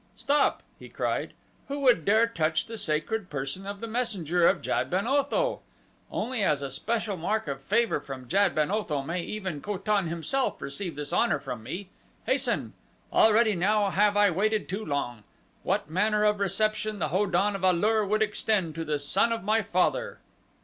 "Stop!" he cried, "who would dare touch the sacred person of the messenger of Jad ben Otho? Only as a special mark of favor from Jad ben Otho may even Ko tan himself receive this honor from me. Hasten! Already now have I waited too long! What manner of reception the Ho don of A lur would extend to the son of my father!"